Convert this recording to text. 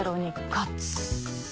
勝つ！